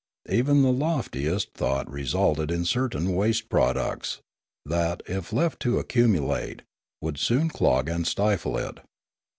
Even the loftiest thought resulted in certain waste products, that, if left to accumulate, would soon clog and stifle it.